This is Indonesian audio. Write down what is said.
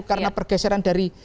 karena pergeseran dari